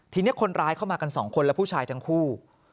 ทีนี้คนร้ายเข้ามากันสองคนและผู้ชายทั้งคู่